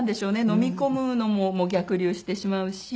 飲み込むのも逆流してしまうし。